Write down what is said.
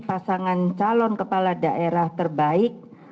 pasangan calon kepala daerah terbaik